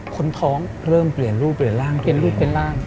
คนท้องเริ่มเปลี่ยนรูปเปลี่ยนร่าง